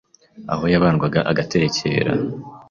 aho yabandwaga agaterekera